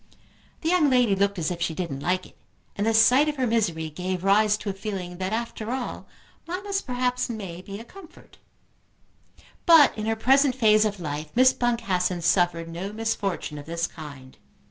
The young lady looked as if she didn't like it, and the sight of her misery gave rise to a feeling that, after all, mammas perhaps may be a comfort. But in her present phase of life Miss Boncassen suffered no misfortune of this kind.